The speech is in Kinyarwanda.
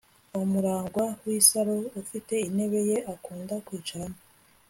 umuragwa w'isaro afite intebe ye akunda kwicaramo